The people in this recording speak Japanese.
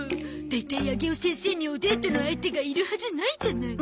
大体上尾先生におデートの相手がいるはずないじゃない。